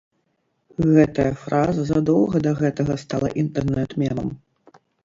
Гэтая фраза задоўга да гэтага стала інтэрнэт-мемам.